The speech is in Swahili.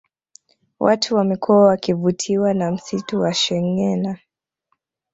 Watu wamekuwa wakivutiwa na msitu wa shengena